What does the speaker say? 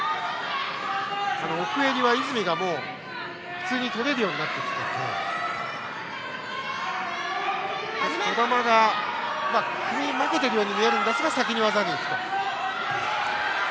奥襟は泉が普通に取れるようになってきていて児玉が、組み負けているように見えますが先に技に行くと。